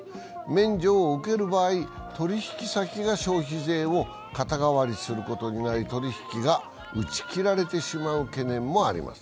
免除を受ける場合、取引先が消費税を肩代わりすることになり取り引きが打ち切られてしまう懸念もあります。